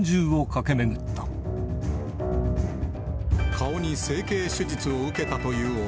顔に整形手術を受けたという男。